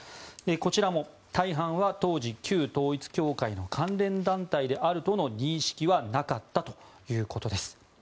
こちらも大半は当時旧統一教会の関連団体であるとの認識はなかったということです。